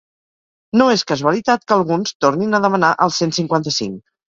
No és casualitat que alguns tornin a demanar el cent cinquanta-cinc.